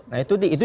nah itu diinspirasi